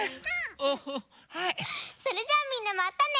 それじゃあみんなまたね！